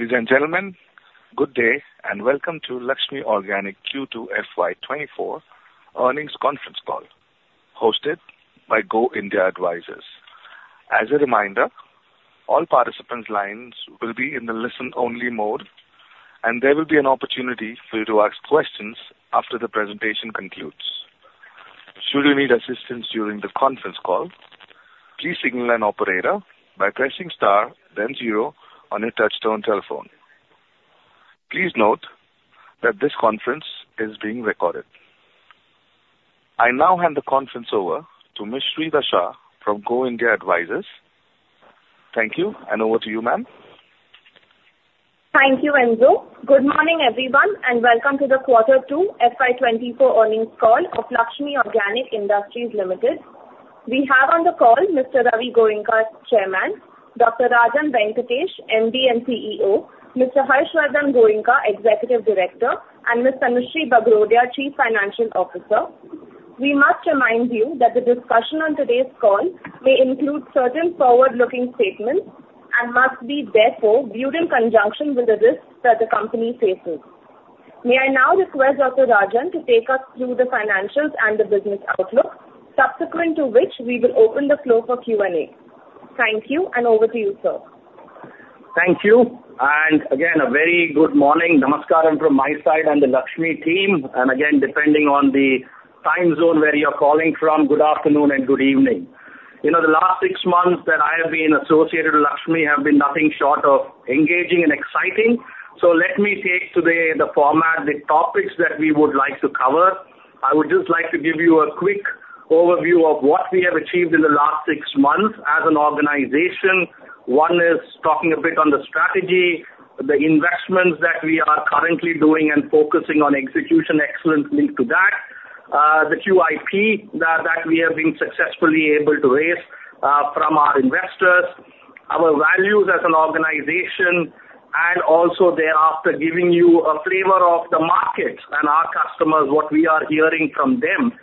Ladies and gentlemen, good day, and welcome to Laxmi Organic Q2 FY 2024 earnings conference call, hosted by Go India Advisors. As a reminder, all participants' lines will be in the listen-only mode, and there will be an opportunity for you to ask questions after the presentation concludes. Should you need assistance during the conference call, please signal an operator by pressing star, then zero on your touchtone telephone. Please note that this conference is being recorded. I now hand the conference over to Ms. Shrida Shah from Go India Advisors. Thank you, and over to you, ma'am. Thank you, Enzo. Good morning, everyone, and welcome to the quarter two FY 2024 earnings call of Laxmi Organic Industries Limited. We have on the call Mr. Ravi Goenka, Chairman, Dr. Rajan Venkatesh, MD and CEO, Mr. Harshvardhan Goenka, Executive Director, and Ms. Tanushree Bagrodia, Chief Financial Officer. We must remind you that the discussion on today's call may include certain forward-looking statements and must therefore be viewed in conjunction with the risks that the company faces. May I now request Dr. Rajan to take us through the financials and the business outlook, subsequent to which we will open the floor for Q&A. Thank you, and over to you, sir. Thank you, and again, a very good morning. Namaskaram from my side and the Laxmi team, and again, depending on the time zone where you're calling from, good afternoon and good evening. You know, the last six months that I have been associated with Laxmi have been nothing short of engaging and exciting. Let me take today the format, the topics that we would like to cover. I would just like to give you a quick overview of what we have achieved in the last six months as an organization. One is talking a bit on the strategy, the investments that we are currently doing and focusing on execution excellence linked to that, the QIP that, that we have been successfully able to raise, from our investors, our values as an organization, and also thereafter, giving you a flavor of the market and our customers, what we are hearing from them,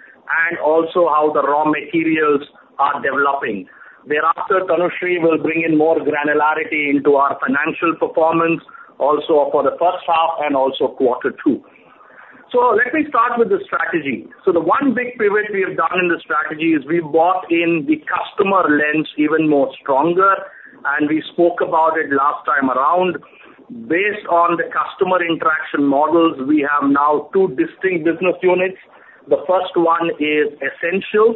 and also how the raw materials are developing. Thereafter, Tanushree will bring in more granularity into our financial performance, also for the first half and also quarter two. So let me start with the strategy. So the one big pivot we have done in the strategy is we bought in the customer lens even more stronger, and we spoke about it last time around. Based on the customer interaction models, we have now two distinct business units. The first one is Essentials,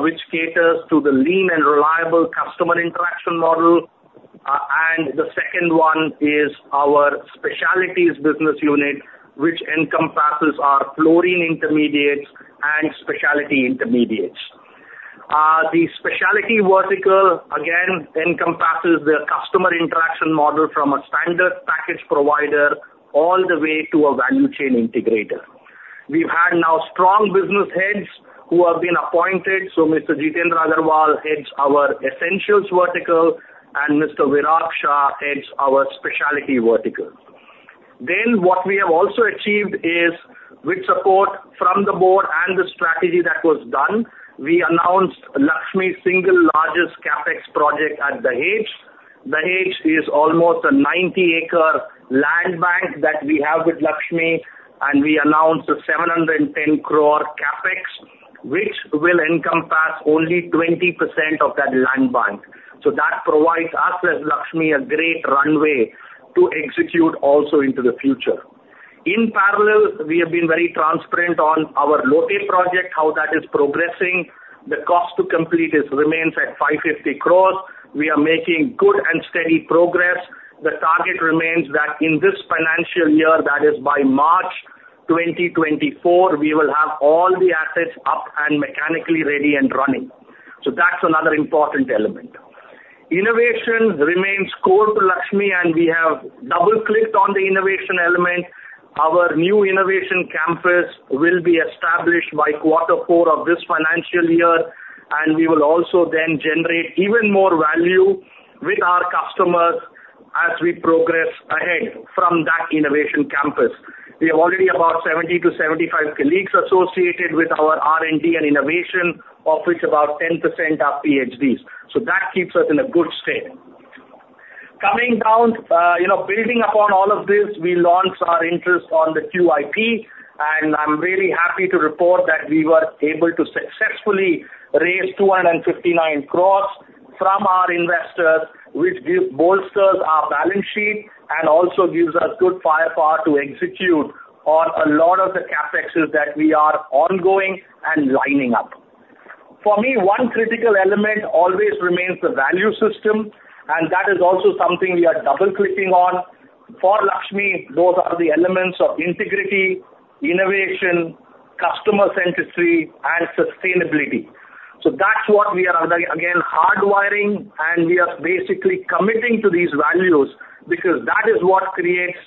which caters to the lean and reliable customer interaction model, and the second one is our Specialties business unit, which encompasses our Fluorine intermediates and Specialty intermediates. The Specialty vertical, again, encompasses the customer interaction model from a standard package provider all the way to a value chain integrator. We've had now strong business heads who have been appointed, so Mr. Jitendra Agarwal heads our Essentials vertical, and Mr. Virag Shah heads our Specialty vertical. Then what we have also achieved is, with support from the board and the strategy that was done, we announced Laxmi's single largest CapEx project at Dahej. Dahej is almost a 90-acre land bank that we have with Laxmi, and we announced a 710 crore CapEx, which will encompass only 20% of that land bank. So that provides us, as Laxmi, a great runway to execute also into the future. In parallel, we have been very transparent on our Lote project, how that is progressing. The cost to complete it remains at 550 crores. We are making good and steady progress. The target remains that in this financial year, that is by March 2024, we will have all the assets up and mechanically ready and running. So that's another important element. Innovation remains core to Laxmi, and we have double-clicked on the innovation element. Our new innovation campus will be established by quarter four of this financial year, and we will also then generate even more value with our customers as we progress ahead from that innovation campus. We have already about 70-75 colleagues associated with our R&D and innovation, of which about 10% are PhDs. So that keeps us in a good state. Coming down, you know, building upon all of this, we launched our interest on the QIP, and I'm really happy to report that we were able to successfully raise 259 crores from our investors, which bolsters our balance sheet and also gives us good firepower to execute on a lot of the CapExes that we are ongoing and lining up. For me, one critical element always remains the value system, and that is also something we are double-clicking on. For Laxmi, those are the elements of integrity, innovation, customer centricity, and sustainability. So that's what we are again, hardwiring, and we are basically committing to these values because that is what creates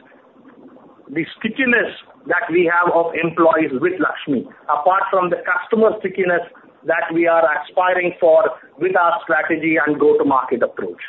the stickiness that we have of employees with Laxmi, apart from the customer stickiness that we are aspiring for with our strategy and go-to-market approach.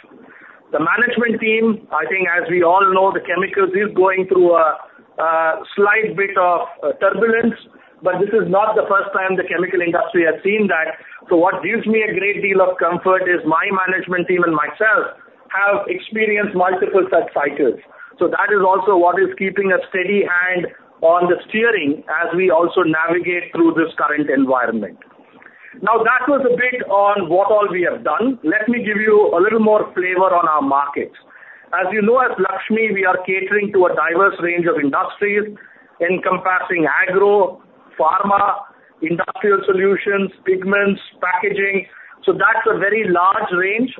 The management team, I think, as we all know, the chemicals is going through a slight bit of turbulence, but this is not the first time the chemical industry has seen that. So what gives me a great deal of comfort is my management team and myself have experienced multiple such cycles. So that is also what is keeping a steady hand on the steering as we also navigate through this current environment. Now, that was a bit on what all we have done. Let me give you a little more flavor on our markets. As you know, at Laxmi, we are catering to a diverse range of industries, encompassing agro, pharma, industrial solutions, pigments, packaging. So that's a very large range.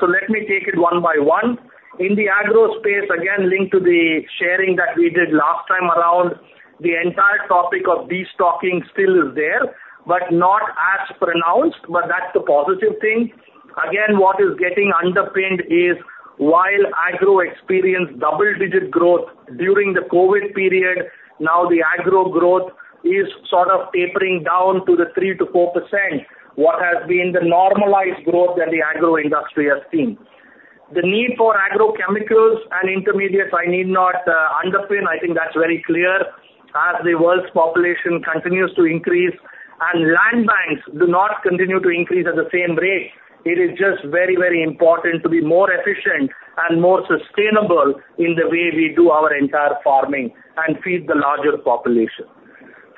So let me take it one by one. In the agro space, again, linked to the sharing that we did last time around, the entire topic of destocking still is there, but not as pronounced, but that's a positive thing. Again, what is getting underpinned is, while agro experienced double-digit growth during the COVID period, now the agro growth is sort of tapering down to the 3%-4%, what has been the normalized growth that the agro industry has seen. The need for agrochemicals and intermediates, I need not underpin. I think that's very clear. As the world's population continues to increase and land banks do not continue to increase at the same rate, it is just very, very important to be more efficient and more sustainable in the way we do our entire farming and feed the larger population.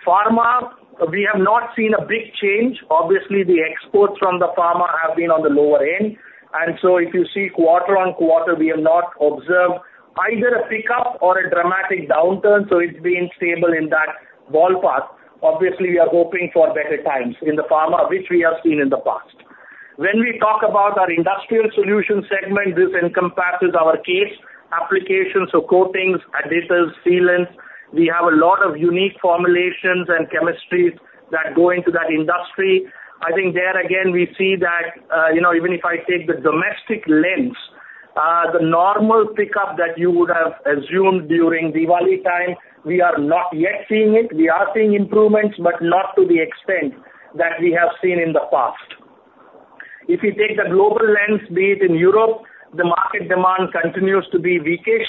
Pharma, we have not seen a big change. Obviously, the exports from the pharma have been on the lower end, and so if you see quarter-on-quarter, we have not observed either a pickup or a dramatic downturn, so it's been stable in that ballpark. Obviously, we are hoping for better times in the pharma, which we have seen in the past. When we talk about our Industrial Solution segment, this encompasses our case applications, so coatings, additives, sealants. We have a lot of unique formulations and chemistries that go into that industry. I think there again, we see that, you know, even if I take the domestic lens, the normal pickup that you would have assumed during Diwali time, we are not yet seeing it. We are seeing improvements, but not to the extent that we have seen in the past. If you take the global lens, be it in Europe, the market demand continues to be weakish.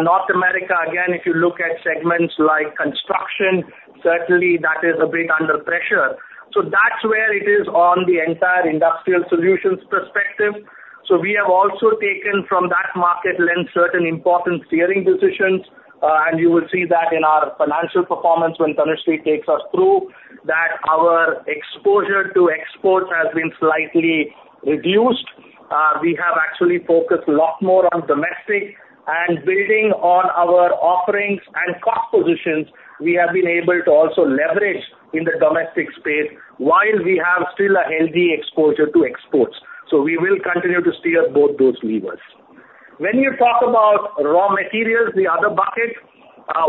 North America, again, if you look at segments like construction, certainly that is a bit under pressure. So that's where it is on the entire industrial solutions perspective. So we have also taken from that market lens, certain important steering decisions, and you will see that in our financial performance when Tanushree takes us through, that our exposure to exports has been slightly reduced. We have actually focused a lot more on domestic and building on our offerings and cost positions, we have been able to also leverage in the domestic space while we have still a healthy exposure to exports. So we will continue to steer both those levers. When you talk about raw materials, the other bucket,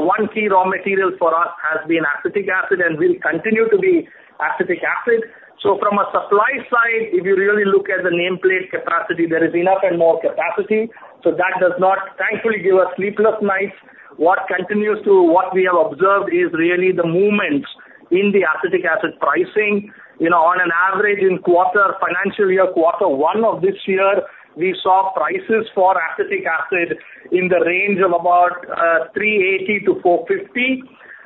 one key raw material for us has been acetic acid and will continue to be acetic acid. So from a supply side, if you really look at the nameplate capacity, there is enough and more capacity, so that does not, thankfully, give us sleepless nights. What we have observed is really the movements in the acetic acid pricing. You know, on an average in quarter, financial year, quarter one of this year, we saw prices for acetic acid in the range of about 380-450.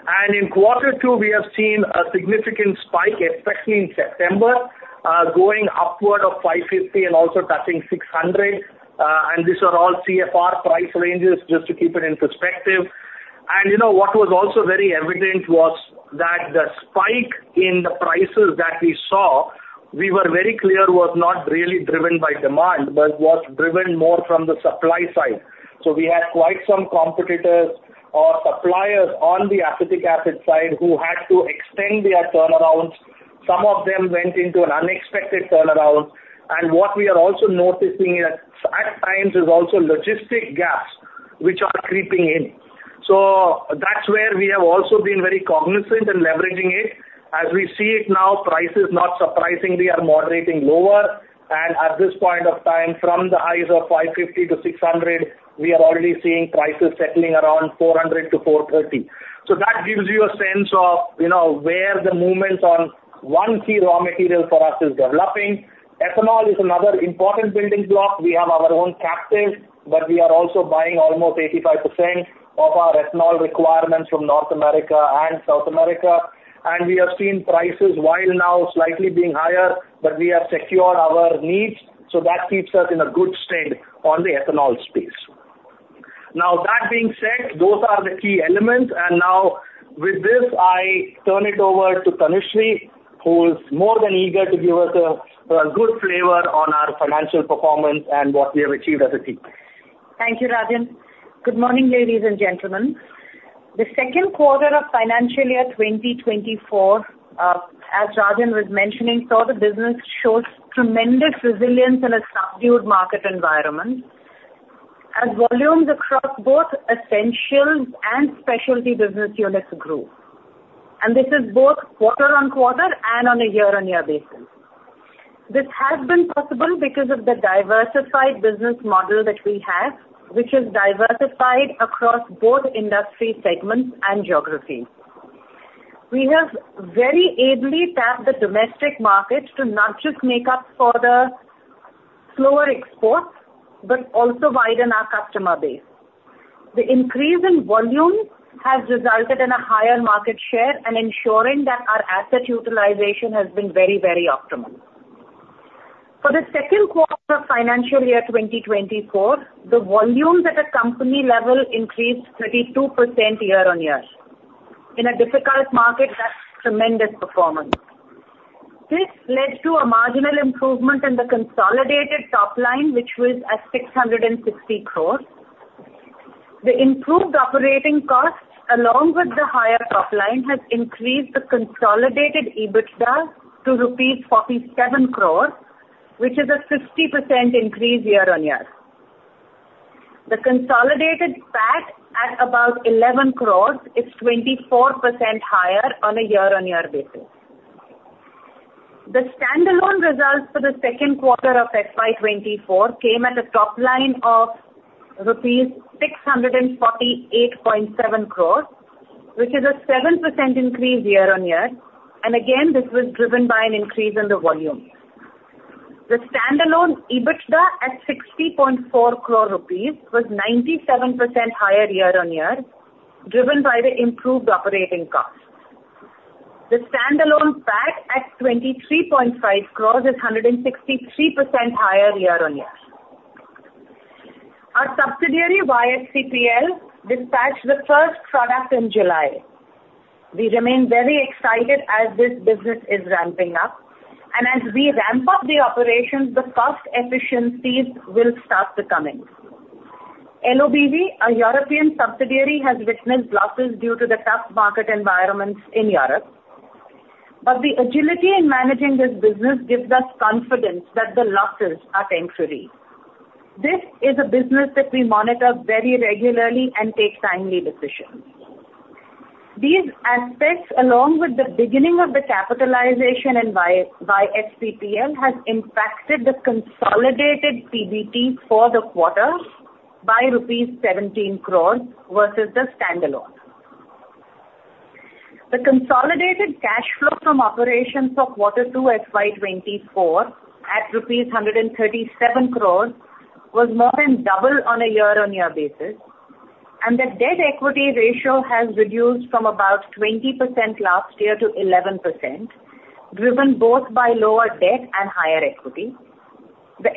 And in quarter two, we have seen a significant spike, especially in September, going upward of 550 and also touching 600, and these are all CFR price ranges, just to keep it in perspective. And you know, what was also very evident was that the spike in the prices that we saw, we were very clear, was not really driven by demand, but was driven more from the supply side. So we had quite some competitors or suppliers on the acetic acid side who had to extend their turnarounds. Some of them went into an unexpected turnaround, and what we are also noticing is at times, is also logistic gaps, which are creeping in. So that's where we have also been very cognizant in leveraging it. As we see it now, prices, not surprisingly, are moderating lower, and at this point of time, from the highs of 550-600, we are already seeing prices settling around 400-430. So that gives you a sense of, you know, where the movements on one key raw material for us is developing. Ethanol is another important building block. We have our own captive, but we are also buying almost 85% of our ethanol requirements from North America and South America. And we have seen prices, while now slightly being higher, but we have secured our needs, so that keeps us in a good stand on the ethanol space. Now, that being said, those are the key elements. And now, with this, I turn it over to Tanushree, who is more than eager to give us a, a good flavor on our financial performance and what we have achieved as a team. Thank you, Rajan. Good morning, ladies and gentlemen. The second quarter of financial year 2024, as Rajan was mentioning, saw the business shows tremendous resilience in a subdued market environment, as volumes across both Essential and Specialty business units grew, and this is both quarter-on-quarter and on a year-on-year basis. This has been possible because of the diversified business model that we have, which is diversified across both industry segments and geographies.... We have very ably tapped the domestic markets to not just make up for the slower exports, but also widen our customer base. The increase in volume has resulted in a higher market share and ensuring that our asset utilization has been very, very optimal. For the second quarter of financial year 2024, the volumes at a company level increased 32% year-on-year. In a difficult market, that's tremendous performance. This led to a marginal improvement in the consolidated top line, which was at 660 crore. The improved operating costs, along with the higher top line, has increased the consolidated EBITDA to rupees 47 crore, which is a 50% increase year-on-year. The consolidated PAT, at about 11 crore, is 24% higher on a year-on-year basis. The standalone results for the second quarter of FY 2024 came at a top line of rupees 648.7 crore, which is a 7% increase year-on-year, and again, this was driven by an increase in the volume. The standalone EBITDA, at 60.4 crore rupees, was 97% higher year-on-year, driven by the improved operating costs. The standalone PAT, at 23.5 crore, is 163% higher year-on-year. Our subsidiary, YSCPL, dispatched the first product in July. We remain very excited as this business is ramping up, and as we ramp up the operations, the cost efficiencies will start to come in. LOBV, our European subsidiary, has witnessed losses due to the tough market environments in Europe, but the agility in managing this business gives us confidence that the losses are temporary. This is a business that we monitor very regularly and take timely decisions. These aspects, along with the beginning of the capitalization in YSCPL, has impacted the consolidated PBT for the quarter by rupees 17 crore versus the standalone. The consolidated cash flow from operations for quarter two FY 2024, at rupees 137 crore, was more than double on a year-on-year basis, and the debt equity ratio has reduced from about 20% last year to 11%, driven both by lower debt and higher equity. The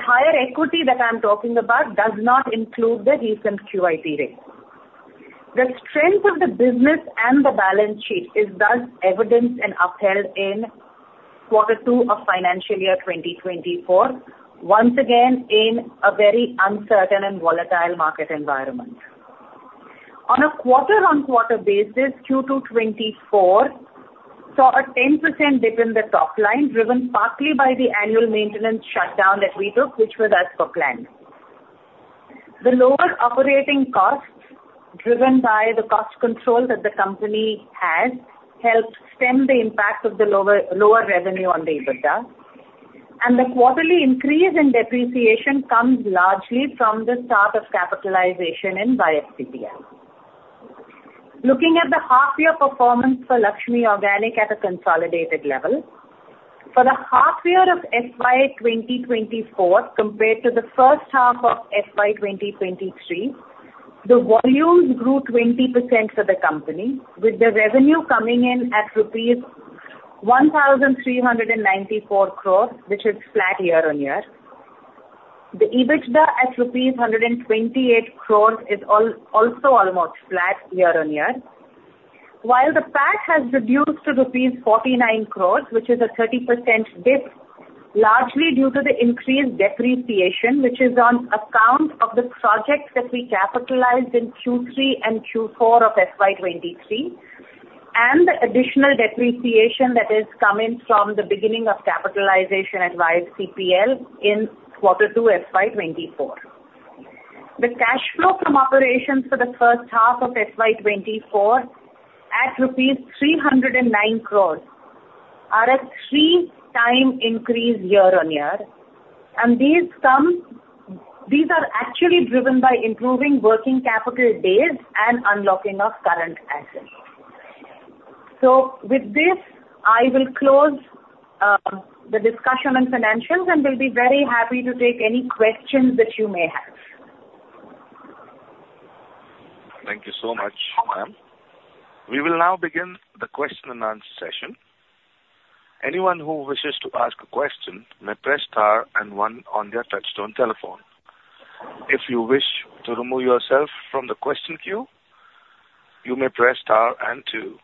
higher equity that I'm talking about does not include the recent QIP raise. The strength of the business and the balance sheet is thus evidenced and upheld in quarter two of financial year 2024, once again, in a very uncertain and volatile market environment. On a quarter-on-quarter basis, Q2 2024 saw a 10% dip in the top line, driven partly by the annual maintenance shutdown that we took, which was as per plan. The lower operating costs, driven by the cost control that the company has, helped stem the impact of the lower, lower revenue on the EBITDA, and the quarterly increase in depreciation comes largely from the start of capitalization in YSCPL. Looking at the half-year performance for Laxmi Organic at a consolidated level. For the half year of FY 2024, compared to the first half of FY 2023, the volumes grew 20% for the company, with the revenue coming in at rupees 1,394 crore, which is flat year-on-year. The EBITDA, at rupees 128 crore, is also almost flat year-on-year. While the PAT has reduced to rupees 49 crore, which is a 30% dip, largely due to the increased depreciation, which is on account of the projects that we capitalized in Q3 and Q4 of FY 2023, and the additional depreciation that is coming from the beginning of capitalization at YSCPL in quarter two, FY 2024. The cash flow from operations for the first half of FY 2024, at rupees 309 crores, are a 3x increase year-on-year, and these come... These are actually driven by improving working capital days and unlocking of current assets. So with this, I will close, the discussion on financials, and we'll be very happy to take any questions that you may have. Thank you so much, ma'am. We will now begin the question and answer session. Anyone who wishes to ask a question may press star and one on their touchtone telephone. If you wish to remove yourself from the question queue, you may press star and two.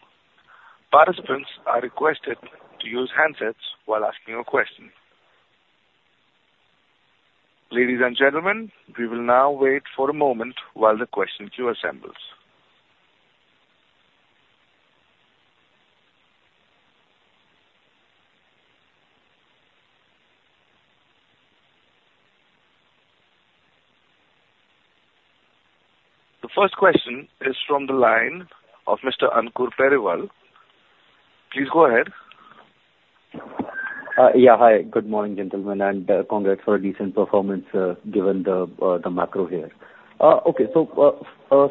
Participants are requested to use handsets while asking a question. Ladies and gentlemen, we will now wait for a moment while the question queue assembles. The first question is from the line of Mr. Ankur Periwal. Please go ahead. Yeah, hi, good morning, gentlemen, and, congrats for a decent performance, given the, the macro here. Okay. So,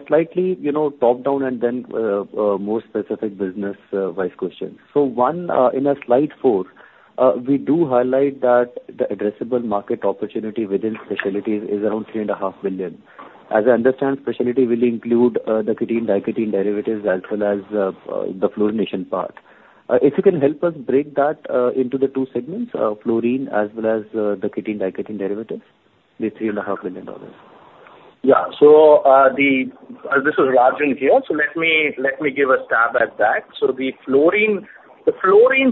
slightly, you know, top down and then, more specific business, wise questions. So one, in a slide four, we do highlight that the addressable market opportunity within Specialties is around $3.5 billion. As I understand, Specialty will include, the ketene-diketene derivatives as well as, the fluorination part. If you can help us break that, into the two segments, fluorine as well as, the ketene-diketene derivatives, the $3.5 billion. Yeah. So, this is Rajan here. So let me give a stab at that. So the fluorine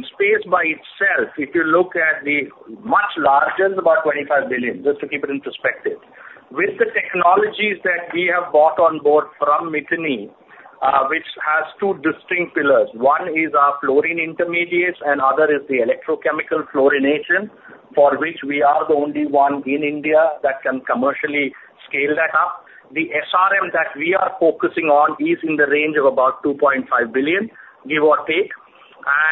space by itself, if you look at the much larger, is about $25 billion, just to keep it in perspective. With the technologies that we have bought on board from Miteni, which has two distinct pillars. One is our Fluorine Intermediates, and other is the Electrochemical Fluorination, for which we are the only one in India that can commercially scale that up. The SRM that we are focusing on is in the range of about $2.5 billion, give or take.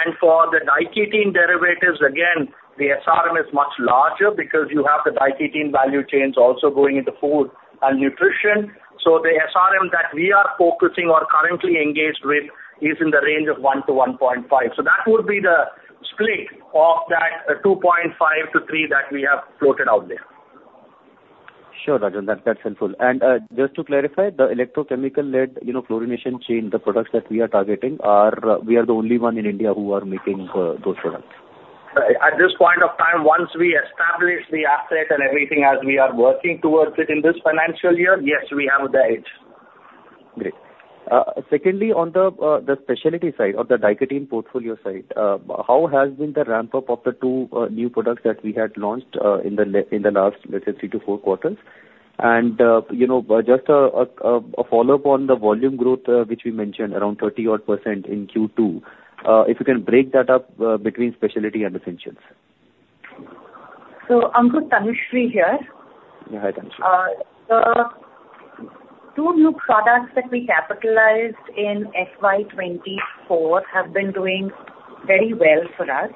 And for the diketene derivatives, again, the SRM is much larger because you have the diketene value chains also going into food and nutrition. So the SRM that we are focusing or currently engaged with is in the range of $1 billion-$1.5 billion. So that would be the split of that, $2.5 billion-$3 billion that we have floated out there. Sure, Rajan, that's, that's helpful. And just to clarify, the Electrochemical Fluorination chain, you know, the products that we are targeting are we the only one in India who are making those products? At this point of time, once we establish the asset and everything as we are working towards it in this financial year, yes, we have the edge. Great. Secondly, on the Specialty side or the diketene portfolio side, how has been the ramp-up of the two new products that we had launched in the last, let's say, 3-4 quarters? And, you know, just a follow-up on the volume growth, which we mentioned around 30-odd percent in Q2, if you can break that up between Specialty and Essentials. Ankur, Tanushree here. Yeah, hi, Tanushree. The two new products that we capitalized in FY 2024 have been doing very well for us,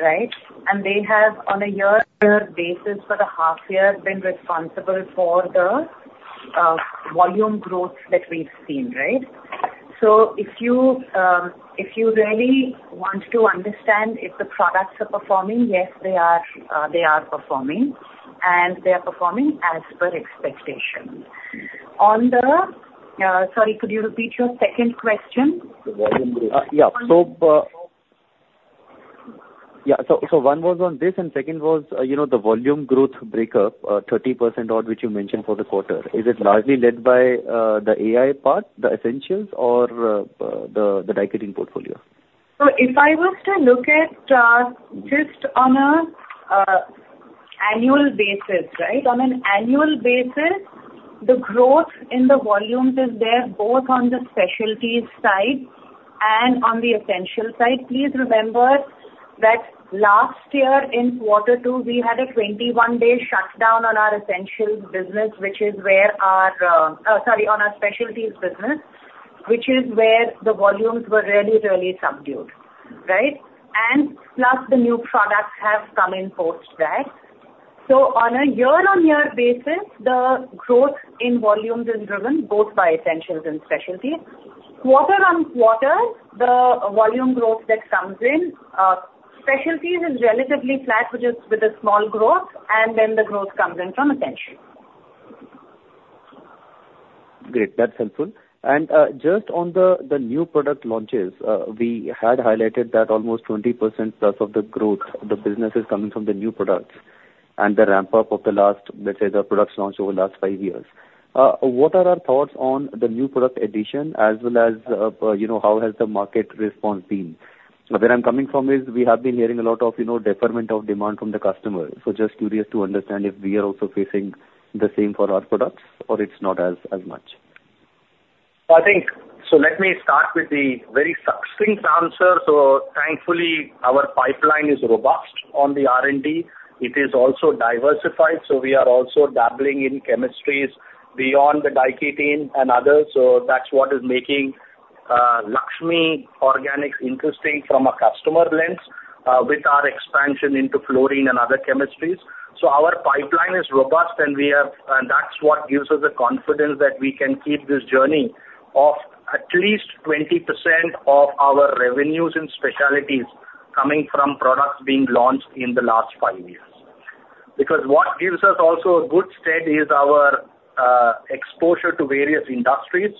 right? And they have, on a year-on-year basis for the half year, been responsible for the volume growth that we've seen, right? So if you, if you really want to understand if the products are performing, yes, they are, they are performing, and they are performing as per expectation. On the... Sorry, could you repeat your second question? The volume growth. Yeah. So, Yeah, so, so one was on this, and second was, you know, the volume growth breakup, 30% percent, which you mentioned for the quarter. Yes. Is it largely led by the AI part, the Essentials, or the diketene portfolio? So if I was to look at, just on a, annual basis, right? On an annual basis, the growth in the volumes is there, both on the Specialties side and on the Essential side. Please remember that last year in quarter two, we had a 21-day shutdown on our Essentials business, which is where our, sorry, on our Specialties business, which is where the volumes were really, really subdued, right? And plus, the new products have come in post that. So on a year-over-year basis, the growth in volumes is driven both by Essentials and Specialties. Quarter-over-quarter, the volume growth that comes in, Specialties is relatively flat, which is with a small growth, and then the growth comes in from Essentials. Great, that's helpful. Just on the new product launches, we had highlighted that almost 20%+ of the growth of the business is coming from the new products and the ramp-up of the last, let's say, the products launched over the last five years. What are our thoughts on the new product addition as well as, you know, how has the market response been? Where I'm coming from is we have been hearing a lot of, you know, deferment of demand from the customer. So just curious to understand if we are also facing the same for our products or it's not as much? I think... So let me start with the very succinct answer. So thankfully, our pipeline is robust on the R&D. It is also diversified, so we are also dabbling in chemistries beyond the diketene and others. So that's what is making Laxmi Organic interesting from a customer lens with our expansion into fluorine and other chemistries. So our pipeline is robust and we are and that's what gives us the confidence that we can keep this journey of at least 20% of our revenues in Specialties coming from products being launched in the last five years. Because what gives us also a good stead is our exposure to various industries.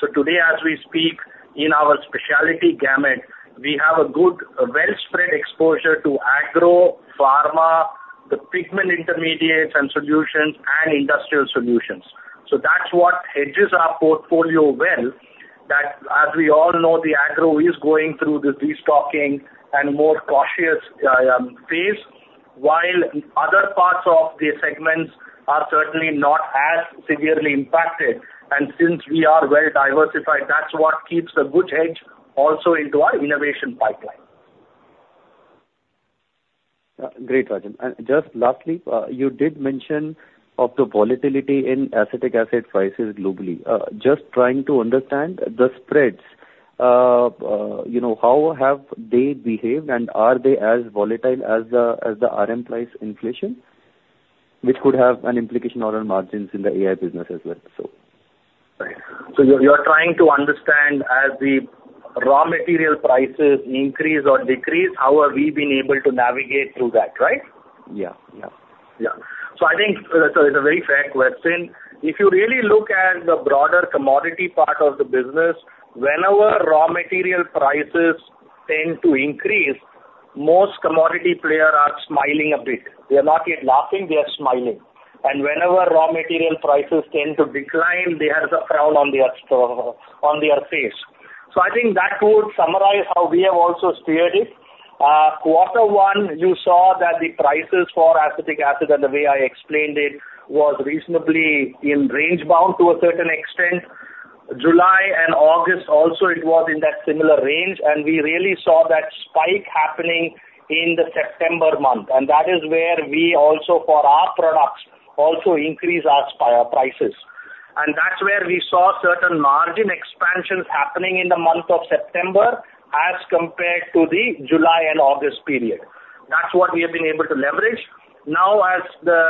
So today, as we speak, in our Specialty gamut, we have a good, well-spread exposure to agro, pharma, the pigment intermediates and solutions, and industrial solutions. So that's what hedges our portfolio well, that as we all know, the agro is going through the destocking and more cautious phase, while other parts of the segments are certainly not as severely impacted. And since we are well diversified, that's what keeps a good hedge also into our innovation pipeline. Great, Rajan. And just lastly, you did mention of the volatility in acetic acid prices globally. Just trying to understand the spreads. You know, how have they behaved, and are they as volatile as the RM price inflation, which could have an implication on our margins in the AI business as well, so? You're trying to understand as the raw material prices increase or decrease, how have we been able to navigate through that, right? Yeah. Yeah. Yeah. So I think so it's a very fair question. If you really look at the broader commodity part of the business, whenever raw material prices tend to increase, most commodity player are smiling a bit. They are not yet laughing, they are smiling. And whenever raw material prices tend to decline, there's a frown on their, on their face. So I think that would summarize how we have also steered it. Quarter one, you saw that the prices for acetic acid, and the way I explained it, was reasonably in range-bound to a certain extent. July and August also, it was in that similar range, and we really saw that spike happening in the September month, and that is where we also, for our products, also increase our prices. That's where we saw certain margin expansions happening in the month of September, as compared to the July and August period. That's what we have been able to leverage. Now, as the,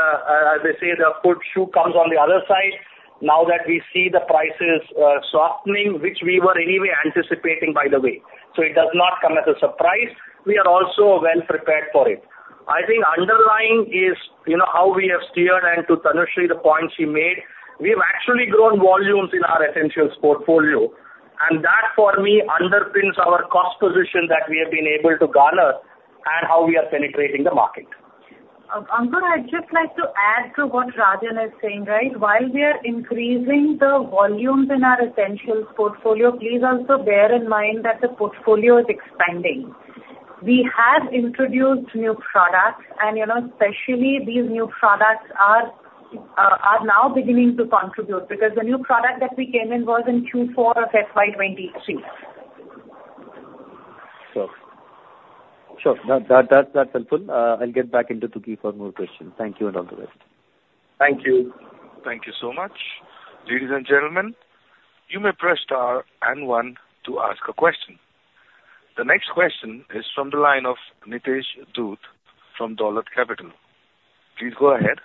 as they say, the good shoe comes on the other side, now that we see the prices, softening, which we were anyway anticipating, by the way, so it does not come as a surprise. We are also well prepared for it. I think underlying is, you know, how we have steered, and to Tanushree, the point she made, we've actually grown volumes in our Essentials portfolio, and that, for me, underpins our cost position that we have been able to garner and how we are penetrating the market. Ankur, I'd just like to add to what Rajan is saying, right? While we are increasing the volumes in our Essentials portfolio, please also bear in mind that the portfolio is expanding. We have introduced new products and, you know, especially these new products are now beginning to contribute, because the new product that we came in was in Q4 of FY 2023. Sure. Sure. That, that, that's helpful. I'll get back into the queue for more questions. Thank you, and all the best. Thank you. Thank you so much. Ladies and gentlemen, you may press Star and One to ask a question. The next question is from the line of Nitesh Dhoot from Dolat Capital. Please go ahead.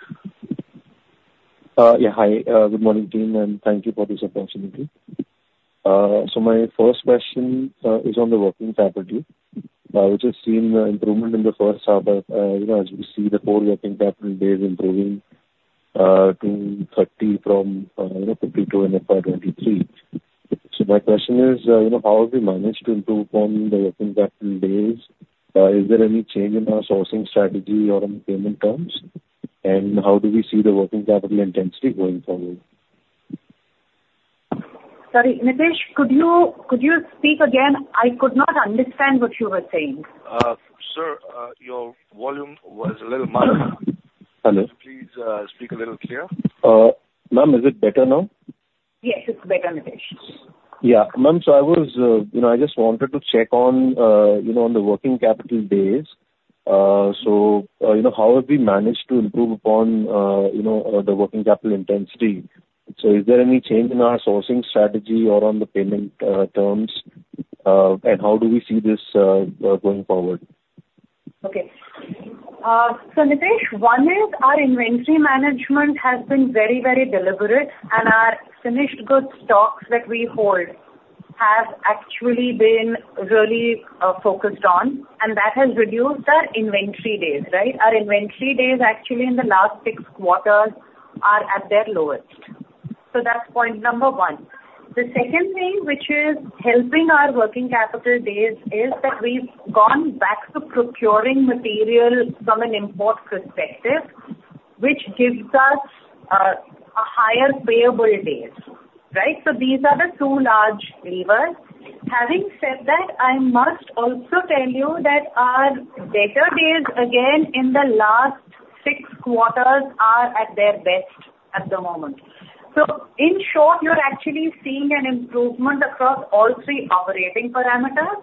Yeah, hi. Good morning, team, and thank you for this opportunity. So my first question is on the working capital. We've just seen improvement in the first half, but, you know, as we see the core working capital days improving, to 30 from, you know, 52 in FY 2023. So my question is, you know, how have we managed to improve on the working capital days? Is there any change in our sourcing strategy or on the payment terms? And how do we see the working capital intensity going forward? Sorry, Nitesh, could you, could you speak again? I could not understand what you were saying. Sir, your volume was a little mild. Hello? Please, speak a little clear. Ma'am, is it better now? Yes, it's better, Nitesh. Yeah. Ma'am, so I was, you know, I just wanted to check on, you know, on the working capital days. So, you know, how have we managed to improve upon, you know, the working capital intensity? So is there any change in our sourcing strategy or on the payment, terms, and how do we see this, going forward? Okay. So Nitesh, one is our inventory management has been very, very deliberate, and our finished goods stocks that we hold have actually been really focused on, and that has reduced our inventory days, right? Our inventory days, actually, in the last six quarters, are at their lowest. So that's point number one. The second thing, which is helping our working capital days, is that we've gone back to procuring material from an import perspective, which gives us a higher payable days, right? So these are the two large levers. Having said that, I must also tell you that our debtor days, again, in the last six quarters, are at their best at the moment. So in short, you're actually seeing an improvement across all three operating parameters.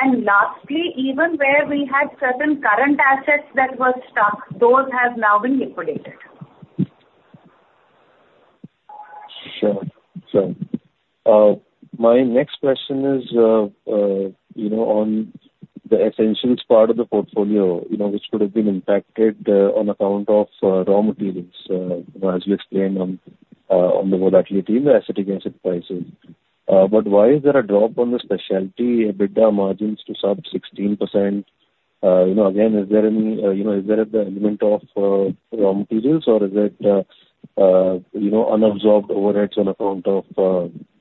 And lastly, even where we had certain current assets that were stuck, those have now been liquidated. Sure. Sure. My next question is, you know, on the Essentials part of the portfolio, you know, which could have been impacted, on account of, raw materials, as you explained on, on the volatility in the acetic acid prices. But why is there a drop on the Specialty, EBITDA margins to sub 16%? You know, again, is there any, you know, is there the element of, raw materials or is it, you know, unabsorbed overheads on account of,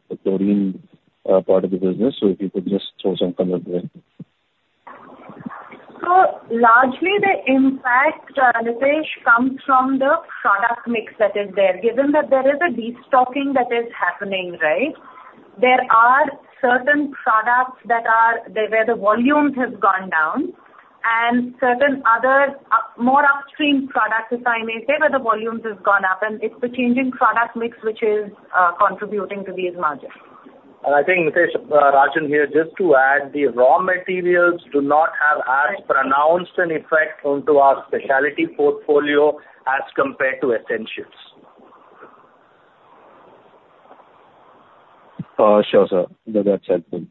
the chlorine, part of the business? So if you could just throw some color there. So largely the impact, Nitesh, comes from the product mix that is there. Given that there is a destocking that is happening, right? There are certain products that are... Where the volumes has gone down, and certain other, more upstream products, if I may say, where the volumes has gone up, and it's the changing product mix which is, contributing to these margins. I think, Nitesh, Rajan here, just to add, the raw materials do not have as pronounced an effect onto our Specialty portfolio as compared to Essentials. Sure, sir. That's helpful.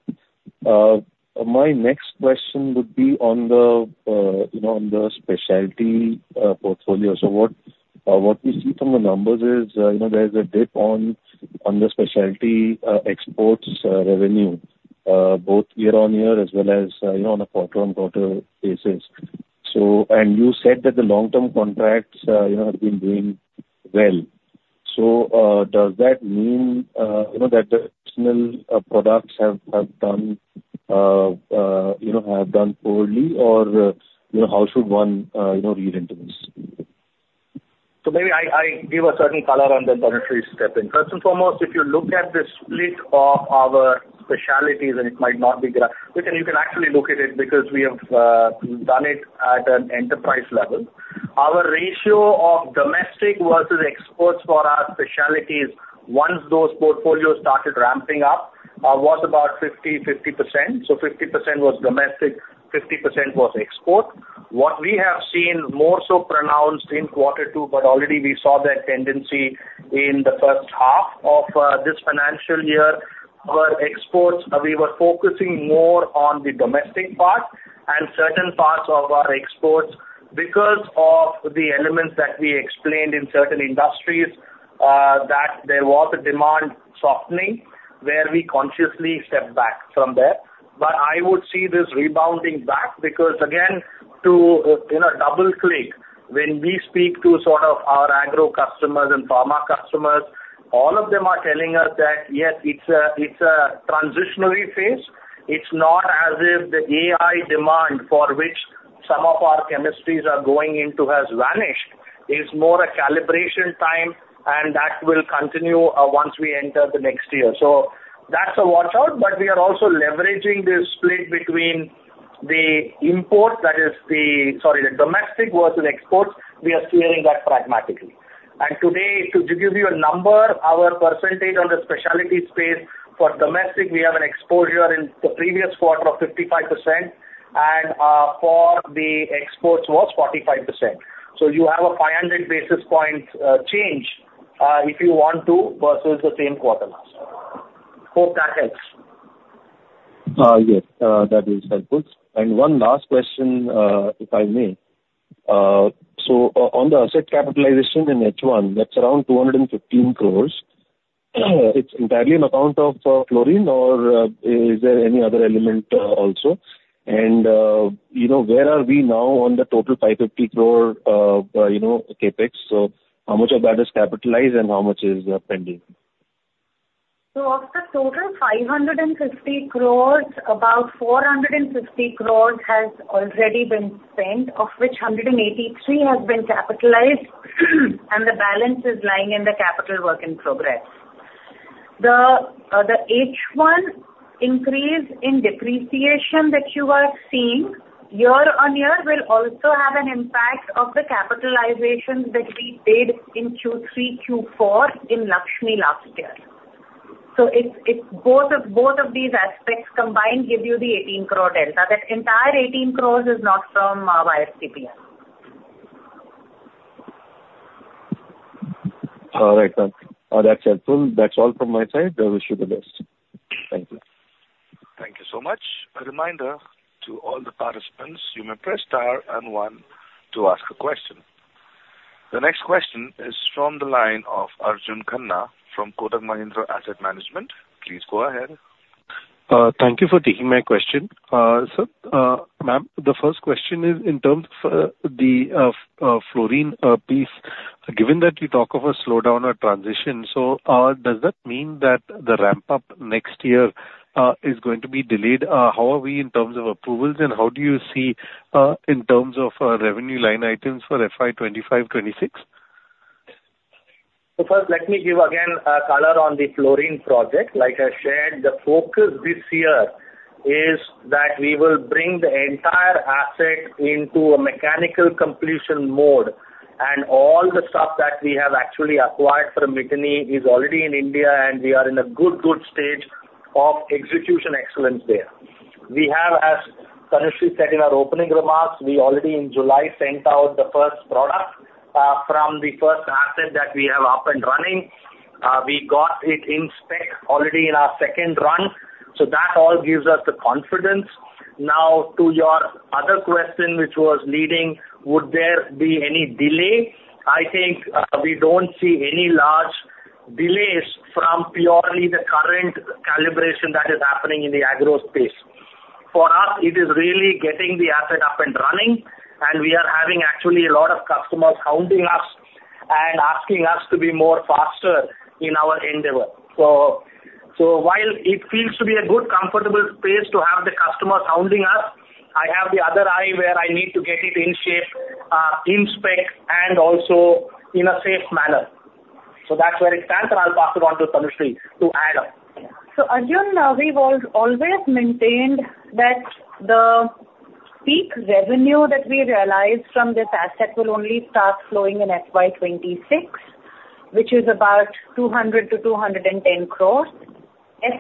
My next question would be on the, you know, on the Specialty portfolio. So what we see from the numbers is, you know, there is a dip in the Specialty exports revenue, both year-on-year as well as, you know, on a quarter-on-quarter basis. So, and you said that the long-term contracts, you know, have been doing well. So, does that mean, you know, that the personal products have done poorly, or, you know, how should one, you know, read into this? So maybe I, I give a certain color on that, Tanushree step in. First and foremost, if you look at the split of our Specialties, and it might not be clear... You can, you can actually look at it because we have done it at an enterprise level. Our ratio of domestic versus exports for our Specialties, once those portfolios started ramping up, was about 50/50. So 50% was domestic, 50% was export. What we have seen more so pronounced in quarter two, but already we saw that tendency in the first half of this financial year, our exports, we were focusing more on the domestic part and certain parts of our exports because of the elements that we explained in certain industries, that there was a demand softening, where we consciously stepped back from there. But I would see this rebounding back, because, again, to, you know, double-click, when we speak to sort of our agro customers and pharma customers, all of them are telling us that: "Yes, it's a, it's a transitory phase. It's not as if the AI demand for which some of our chemistries are going into has vanished. It's more a calibration time, and that will continue, once we enter the next year." So that's a watch-out, but we are also leveraging this split between the import, that is the... Sorry, the domestic versus exports, we are steering that pragmatically. And today, to give you a number, our percentage on the Specialty space for domestic, we have an exposure in the previous quarter of 55%, and, for the exports was 45%. You have a 500 basis points change, if you want to versus the same quarter last year. Hope that helps. Yes, that is helpful. One last question, if I may. On the asset capitalization in H1, that's around 215 crore. It's entirely on account of fluorine, or is there any other element also? You know, where are we now on the total 550 crore you know, CapEx? How much of that is capitalized and how much is pending? So of the total 550 crores, about 450 crores has already been spent, of which 183 crore has been capitalized, and the balance is lying in the capital work in progress. The, the H1 increase in depreciation that you are seeing year-on-year will also have an impact of the capitalizations that we did in Q3, Q4 in Laxmi last year. So it's, it's both of, both of these aspects combined give you the 18 crore delta. That entire 18 crores is not from, YSCPL, yeah. All right, ma'am. That's helpful. That's all from my side. I wish you the best. Thank you. Thank you so much. A reminder to all the participants, you may press star and one to ask a question. The next question is from the line of Arjun Khanna from Kotak Mahindra Asset Management. Please go ahead. Thank you for taking my question. So, ma'am, the first question is in terms of the fluorine piece, given that you talk of a slowdown or transition, so does that mean that the ramp-up next year is going to be delayed? How are we in terms of approvals, and how do you see in terms of revenue line items for FY 2025, 2026? So first, let me give again, a color on the fluorine project. Like I shared, the focus this year is that we will bring the entire asset into a mechanical completion mode, and all the stuff that we have actually acquired from Miteni is already in India, and we are in a good, good stage of execution excellence there. We have, as Tanushree said in our opening remarks, we already in July sent out the first product from the first asset that we have up and running. We got it in spec already in our second run, so that all gives us the confidence. Now, to your other question, which was leading, would there be any delay? I think, we don't see any large delays from purely the current calibration that is happening in the agro space. For us, it is really getting the asset up and running, and we are having actually a lot of customers hounding us and asking us to be more faster in our endeavor. So, while it feels to be a good, comfortable space to have the customers hounding us, I have the other eye where I need to get it in shape, in spec, and also in a safe manner. So that's where it stands, and I'll pass it on to Tanushree to add on. So Arjun, we've always maintained that the revenue that we realized from this asset will only start flowing in FY 2026, which is about 200-210 crores.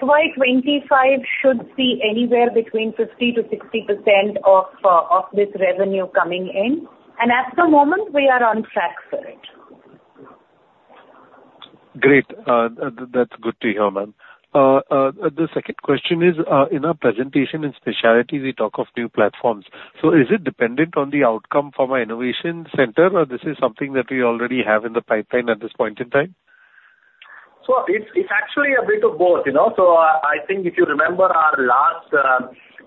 FY 2025 should see anywhere between 50%-60% of this revenue coming in, and at the moment, we are on track for it. Great. That's good to hear, ma'am. The second question is, in our presentation in Specialty, we talk of new platforms. So is it dependent on the outcome from our innovation center, or this is something that we already have in the pipeline at this point in time? So it's, it's actually a bit of both, you know. So I, I think if you remember our last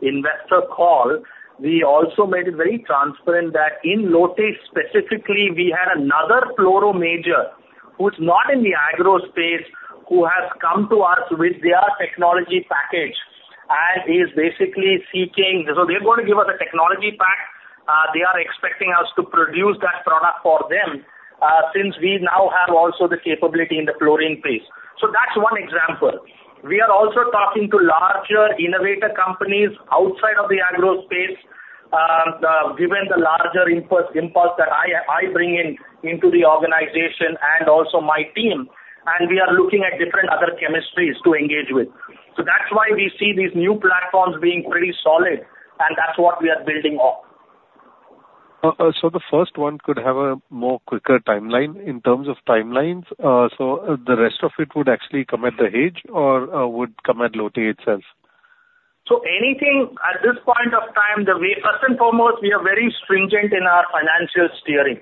investor call, we also made it very transparent that in Lote specifically, we had another fluoro major, who's not in the agro space, who has come to us with their technology package and is basically seeking-- So they're going to give us a technology pack. They are expecting us to produce that product for them, since we now have also the capability in the fluorine space. So that's one example. We are also talking to larger innovator companies outside of the agro space, given the larger input-impulse that I, I bring in into the organization and also my team, and we are looking at different other chemistries to engage with. So that's why we see these new platforms being pretty solid, and that's what we are building on. So the first one could have a more quicker timeline in terms of timelines, so the rest of it would actually come at Dahej or would come at Lote itself? So anything at this point of time, first and foremost, we are very stringent in our financial steering.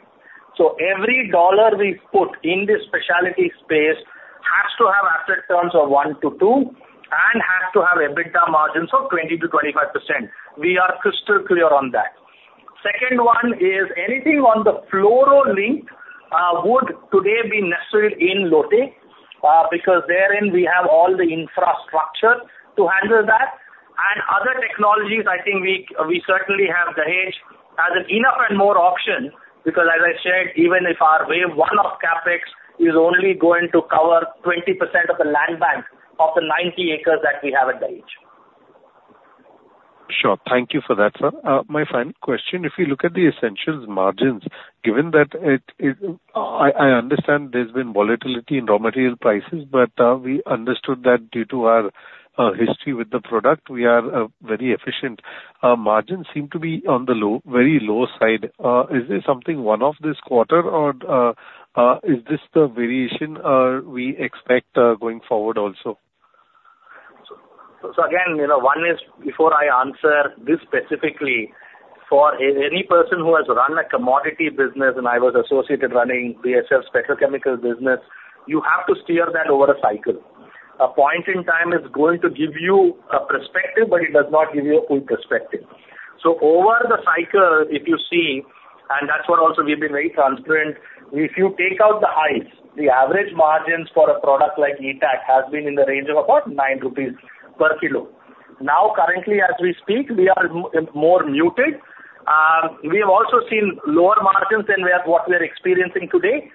So every dollar we put in this Specialty space has to have asset terms of 1-2, and has to have EBITDA margins of 20%-25%. We are crystal clear on that. Second one is anything on the fluoro link would today be nestled in Lote, because therein we have all the infrastructure to handle that. And other technologies, I think we, we certainly have Dahej as enough and more option, because as I shared, even if our wave one of CapEx is only going to cover 20% of the land bank of the 90 acres that we have at Dahej. Sure. Thank you for that, sir. My final question, if you look at the Essentials margins, given that it... I understand there's been volatility in raw material prices, but, we understood that due to our history with the product, we are very efficient. Margins seem to be on the low, very low side. Is this something one-off this quarter, or, is this the variation we expect going forward also? So again, you know, one is, before I answer this specifically, for any person who has run a commodity business, and I was associated running BASF Special Chemicals business, you have to steer that over a cycle. A point in time is going to give you a perspective, but it does not give you a full perspective. So over the cycle, if you see, and that's what also we've been very transparent, if you take out the highs, the average margins for a product like ETAC has been in the range of about 9 rupees per kg. Now, currently, as we speak, we are more muted. We have also seen lower margins than we are, what we are experiencing today.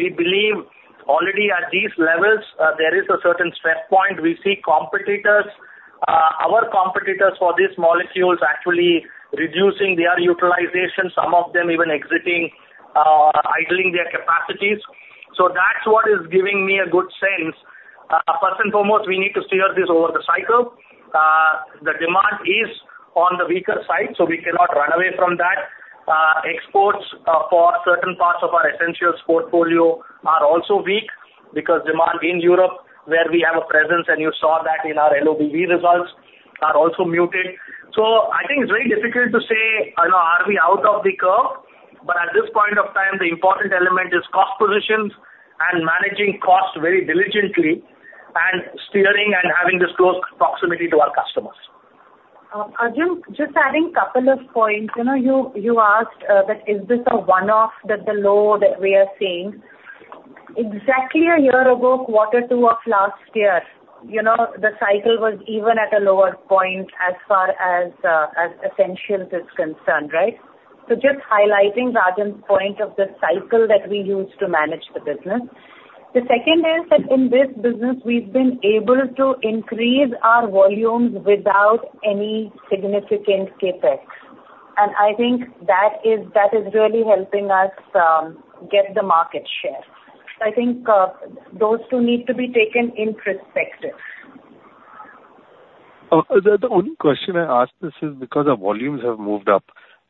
We believe already at these levels, there is a certain stress point. We see competitors, our competitors for these molecules actually reducing their utilization, some of them even exiting, idling their capacities. That's what is giving me a good sense. First and foremost, we need to steer this over the cycle. The demand is on the weaker side, so we cannot run away from that. Exports, for certain parts of our Essentials portfolio are also weak, because demand in Europe, where we have a presence, and you saw that in our LOBV results, are also muted. I think it's very difficult to say, you know, are we out of the curve, but at this point of time, the important element is cost positions and managing cost very diligently and steering and having this close proximity to our customers. Arjun, just adding a couple of points. You know, you asked that is this a one-off, that the low that we are seeing? Exactly a year ago, quarter two of last year, you know, the cycle was even at a lower point as far as as Essentials is concerned, right? So just highlighting Arjun's point of the cycle that we use to manage the business. The second is that in this business, we've been able to increase our volumes without any significant CapEx, and I think that is really helping us get the market share. I think those two need to be taken in perspective. The only question I ask is this because the volumes have moved up,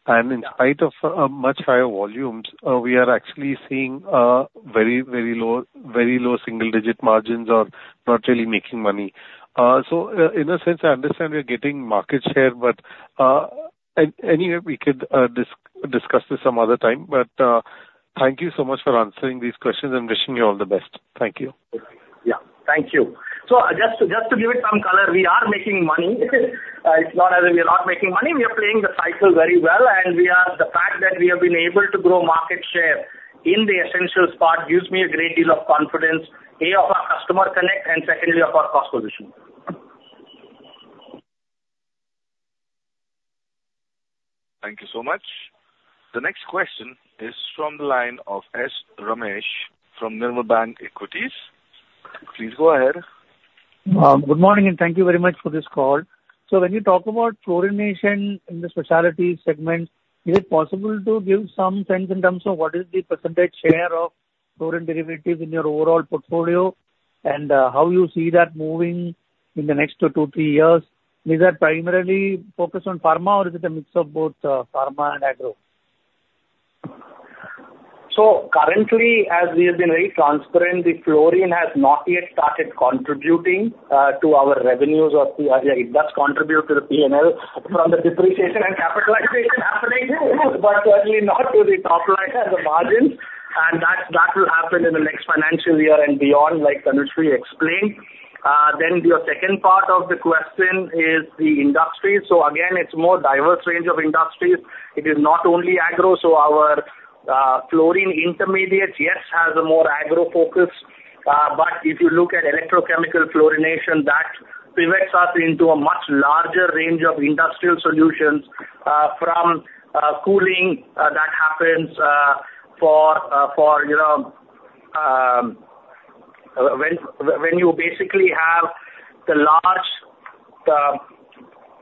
and in light of much higher volumes, we are actually seeing very, very low, very low single-digit margins or not really making money. So, in a sense, I understand we are getting market share, but any way we could discuss this some other time, but thank you so much for answering these questions, and wishing you all the best. Thank you. Yeah. Thank you. So just, just to give it some color, we are making money. It's not as if we are not making money. We are playing the cycle very well, and we are. The fact that we have been able to grow market share in the Essentials part gives me a great deal of confidence, A, of our customer connect, and secondly, of our cost position. Thank you so much. The next question is from the line of S. Ramesh from Nirmal Bang Equities. Please go ahead. Good morning, and thank you very much for this call. So when you talk about fluorination in the Specialty segment, is it possible to give some sense in terms of what is the percentage share of fluorine derivatives in your overall portfolio, and how you see that moving in the next 2-3 years? Is that primarily focused on pharma, or is it a mix of both, pharma and agro? So currently, as we have been very transparent, the fluorine has not yet started contributing to our revenues or P&L. It does contribute to the P&L from the depreciation and capitalization happening, but certainly not to the top line as the margins, and that will happen in the next financial year and beyond, like Tanushree explained. Then your second part of the question is the industry. So again, it's more diverse range of industries. It is not only agro, so our Fluorine Intermediates, yes, has a more agro focus, but if you look at Electrochemical Fluorination, that pivots us into a much larger range of industrial solutions from cooling that happens for you know when you basically have the large,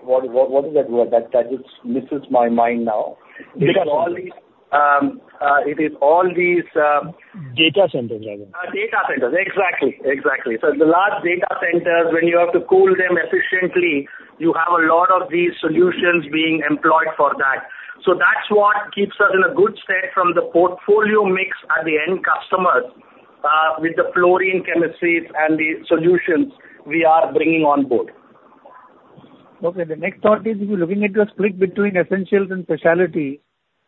what is that word that is misses my mind now? Data centers. It is all these, Data centers, I guess. Data centers. Exactly, exactly. So the large data centers, when you have to cool them efficiently, you have a lot of these solutions being employed for that. So that's what keeps us in a good state from the portfolio mix and the end customers, with the fluorine chemistries and the solutions we are bringing on board. Okay, the next thought is, if you're looking at your split between Essentials and Specialty,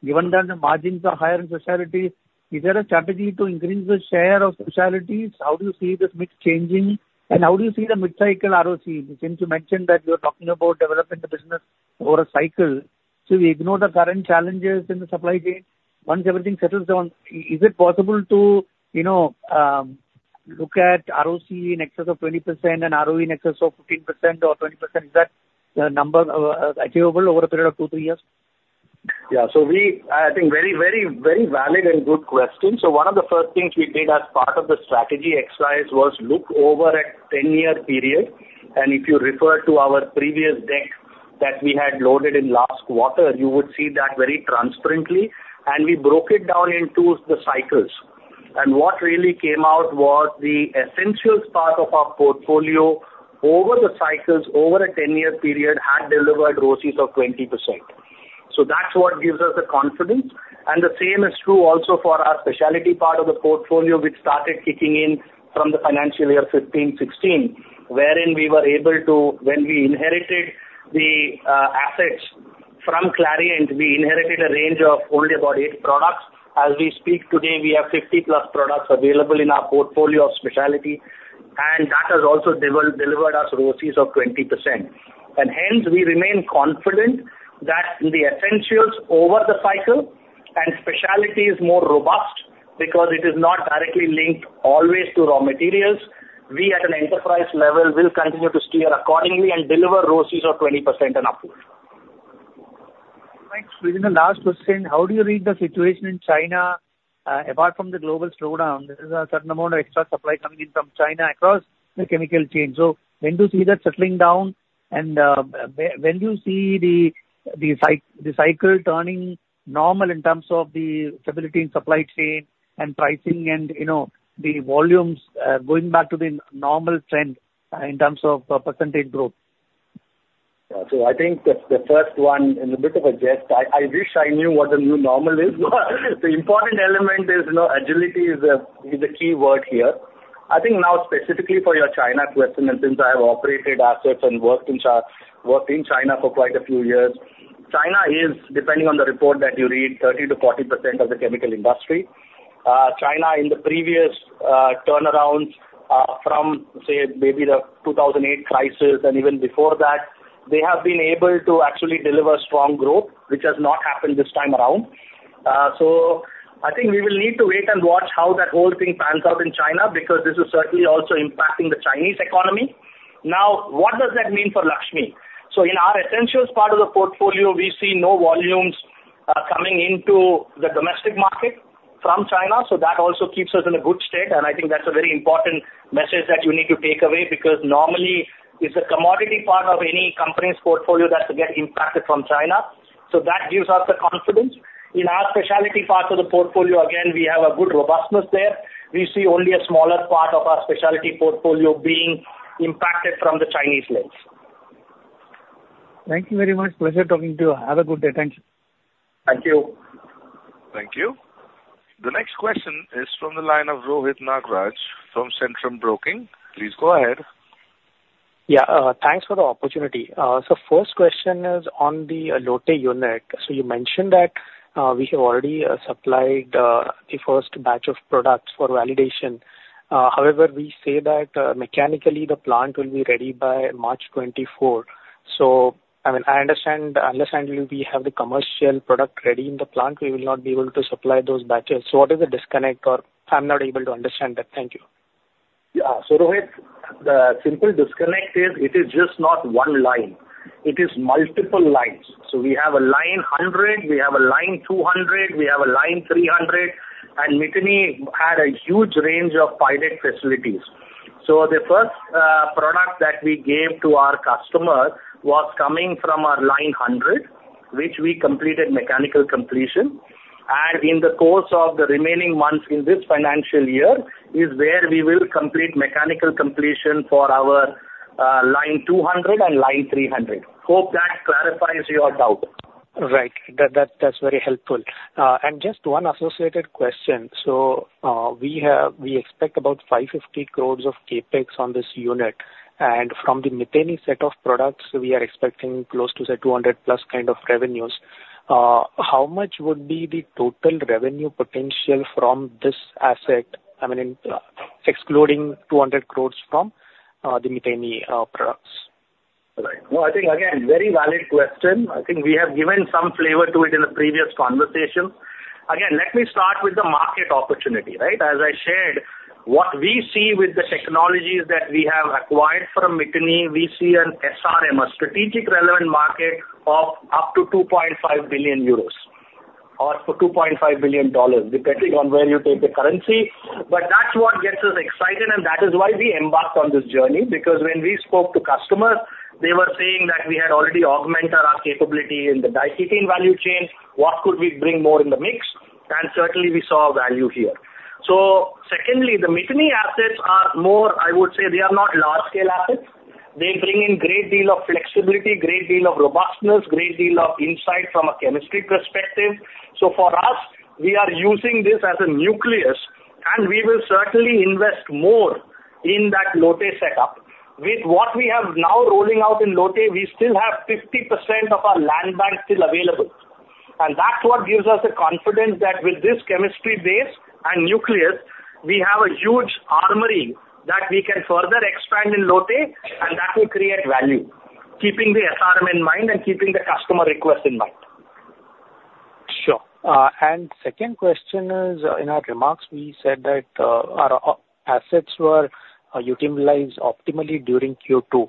given that the margins are higher in Specialty, is there a strategy to increase the share of Specialties? How do you see this mix changing, and how do you see the mid-cycle ROC? Since you mentioned that you're talking about developing the business over a cycle, so we ignore the current challenges in the supply chain. Once everything settles down, is it possible to, you know, look at ROC in excess of 20% and ROE in excess of 15% or 20%? Is that number achievable over a period of 2-3 years? Yeah. So we... I think very, very, very valid and good question. So one of the first things we did as part of the strategy exercise was look over a 10-year period, and if you refer to our previous deck that we had loaded in last quarter, you would see that very transparently, and we broke it down into the cycles. And what really came out was the Essentials part of our portfolio over the cycles, over a 10-year period, had delivered ROCEs of 20%. So that's what gives us the confidence. And the same is true also for our Specialty part of the portfolio, which started kicking in from the financial year 2015, 2016, wherein we were able to, when we inherited the assets from Clariant, we inherited a range of only about eight products. As we speak today, we have 50+ products available in our portfolio of Specialty, and that has also delivered us ROCEs of 20%. And hence, we remain confident that the Essentials over the cycle and Specialty is more robust because it is not directly linked always to raw materials. We, at an enterprise level, will continue to steer accordingly and deliver ROCEs of 20% and upward. Right. Within the last question, how do you read the situation in China, apart from the global slowdown? There is a certain amount of extra supply coming in from China across the chemical chain. So when do you see that settling down, and, when do you see the, the cycle turning normal in terms of the stability in supply chain and pricing and, you know, the volumes, going back to the normal trend, in terms of, percentage growth? Yeah. So I think the first one, in a bit of a jest, I wish I knew what the new normal is. The important element is, you know, agility is the key word here. I think now specifically for your China question, and since I have operated assets and worked in China for quite a few years, China is, depending on the report that you read, 30%-40% of the chemical industry. China, in the previous turnarounds, from, say, maybe the 2008 crisis and even before that, they have been able to actually deliver strong growth, which has not happened this time around. So I think we will need to wait and watch how that whole thing pans out in China, because this is certainly also impacting the Chinese economy. Now, what does that mean for Laxmi? So in our Essentials part of the portfolio, we see no volumes, coming into the domestic market from China, so that also keeps us in a good state, and I think that's a very important message that you need to take away, because normally it's the commodity part of any company's portfolio that get impacted from China. So that gives us the confidence. In our Specialty part of the portfolio, again, we have a good robustness there. We see only a smaller part of our Specialty portfolio being impacted from the Chinese lens. Thank you very much. Pleasure talking to you. Have a good day. Thank you. Thank you. Thank you. The next question is from the line of Rohit Nagraj from Centrum Broking. Please go ahead. Yeah, thanks for the opportunity. So first question is on the Lote unit. So you mentioned that, we have already supplied the first batch of products for validation. However, we say that, mechanically, the plant will be ready by March 2024. So, I mean, I understand, I understand will we have the commercial product ready in the plant, we will not be able to supply those batches. So what is the disconnect, or... I'm not able to understand that. Thank you. Yeah. So, Rohit-... The simple disconnect is it is just not one line, it is multiple lines. So we have a line 100, we have a line 200, we have a line 300, and Miteni had a huge range of pilot facilities. So the first product that we gave to our customer was coming from our line 100, which we completed mechanical completion. And in the course of the remaining months in this financial year, is where we will complete mechanical completion for our line 200 and line 300. Hope that clarifies your doubt. Right. That's very helpful. And just one associated question. So, we expect about 550 crores of CapEx on this unit, and from the Miteni set of products, we are expecting close to, say, 200+ kind of revenues. How much would be the total revenue potential from this asset, I mean, excluding 200 crores from the Miteni products? Right. No, I think, again, very valid question. I think we have given some flavor to it in the previous conversation. Again, let me start with the market opportunity, right? As I shared, what we see with the technologies that we have acquired from Miteni, we see an SRM, a strategic relevant market, of up to 2.5 billion euros or $2.5 billion, depending on where you take the currency. But that's what gets us excited, and that is why we embarked on this journey. Because when we spoke to customers, they were saying that we had already augmented our capability in the diketene value chain. What could we bring more in the mix? And certainly, we saw value here. So secondly, the Miteni assets are more... I would say they are not large scale assets. They bring in great deal of flexibility, great deal of robustness, great deal of insight from a chemistry perspective. So for us, we are using this as a nucleus, and we will certainly invest more in that Lote setup. With what we have now rolling out in Lote, we still have 50% of our land bank still available, and that's what gives us the confidence that with this chemistry base and nucleus, we have a huge armory that we can further expand in Lote, and that will create value, keeping the SRM in mind and keeping the customer request in mind. Sure. And second question is, in our remarks, we said that our assets were utilized optimally during Q2,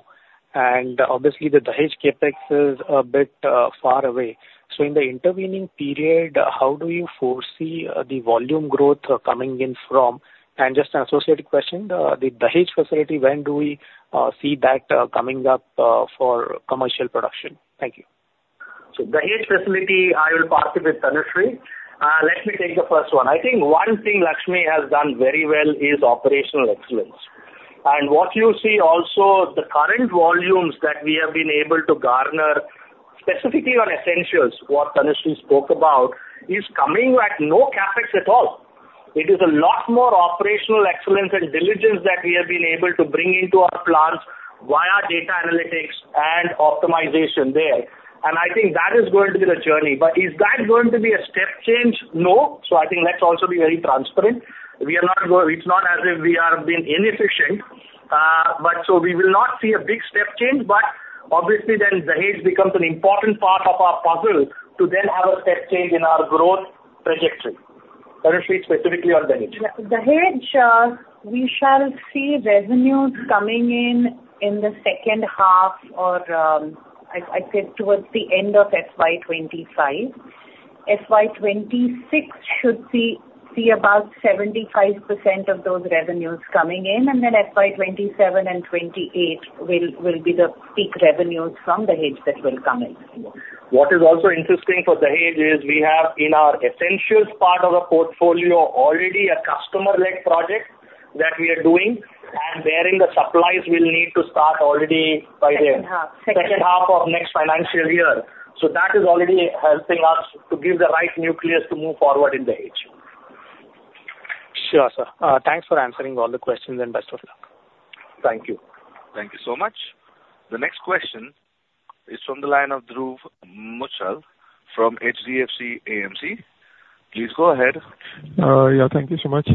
and obviously the Dahej CapEx is a bit far away. So in the intervening period, how do you foresee the volume growth coming in from? And just an associated question, the Dahej facility, when do we see that coming up for commercial production? Thank you. So Dahej facility, I will pass it with Tanushree. Let me take the first one. I think one thing Laxmi has done very well is operational excellence. And what you see also, the current volumes that we have been able to garner, specifically on Essentials, what Tanushree spoke about, is coming at no CapEx at all. It is a lot more operational excellence and diligence that we have been able to bring into our plants via data analytics and optimization there. And I think that is going to be the journey. But is that going to be a step change? No. So I think let's also be very transparent. It's not as if we are being inefficient, but so we will not see a big step change, but obviously, then Dahej becomes an important part of our puzzle to then have a step change in our growth trajectory. Tanushree, specifically on Dahej. Dahej, we shall see revenues coming in in the second half or, I’d say towards the end of FY 2025. FY 2026 should see about 75% of those revenues coming in, and then FY 2027 and 2028 will be the peak revenues from Dahej that will come in. What is also interesting for Dahej is we have in our Essentials part of the portfolio, already a customer-led project that we are doing, and therein the supplies will need to start already by then. Second half. Second half of next financial year. So that is already helping us to give the right nucleus to move forward in Dahej. Sure, sir. Thanks for answering all the questions, and best of luck. Thank you. Thank you so much. The next question is from the line of Dhruv Muchhal from HDFC AMC. Please go ahead. Yeah, thank you so much.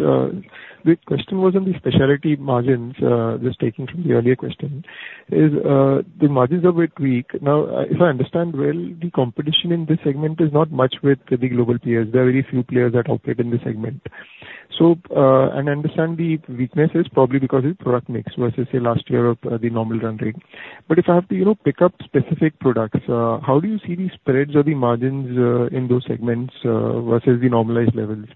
The question was on the Specialty margins, just taking from the earlier question. Is the margins are a bit weak. Now, if I understand well, the competition in this segment is not much with the global players. There are very few players that operate in this segment. So, and I understand the weakness is probably because of product mix versus the last year of the normal run rate. But if I have to, you know, pick up specific products, how do you see the spreads or the margins in those segments versus the normalized levels?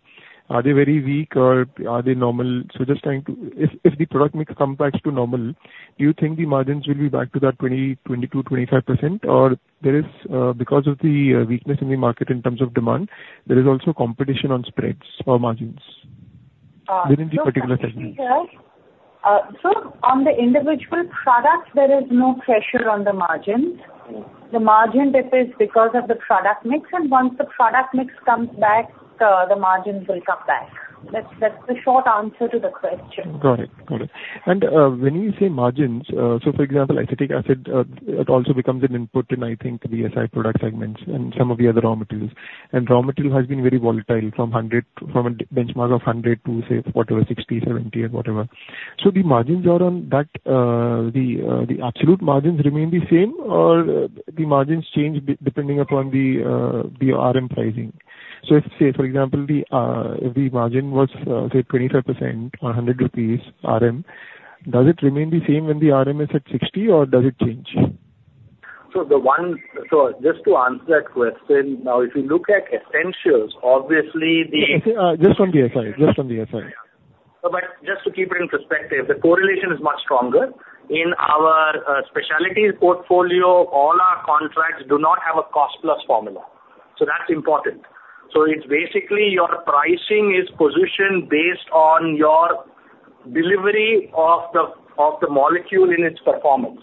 Are they very weak or are they normal? So just trying to... If, if the product mix comes back to normal, do you think the margins will be back to that 20%, 22%, 25%, or there is, because of the, weakness in the market in terms of demand, there is also competition on spreads or margins within the particular segment? So on the individual products, there is no pressure on the margins. The margin, this is because of the product mix, and once the product mix comes back, the margins will come back. That's, that's the short answer to the question. Got it. Got it. And when you say margins, so for example, acetic acid, it also becomes an input in, I think, the SI product segments and some of the other raw materials. And raw material has been very volatile, from 100- from a benchmark of 100 to, say, whatever, 60, 70 or whatever. So the margins are on that, the absolute margins remain the same, or the margins change depending upon the RM pricing? So if, say, for example, the margin was, say, 25% or 100 rupees RM, does it remain the same when the RM is at 60, or does it change? So just to answer that question, now, if you look at Essentials, obviously the- Just on the SI. Just on the SI. Just to keep it in perspective, the correlation is much stronger. In our Specialty portfolio, all our contracts do not have a cost-plus formula. That's important. It's basically your pricing is positioned based on your delivery of the, of the molecule in its performance.